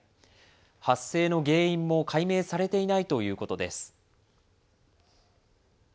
発生の原因も解明されていないということです。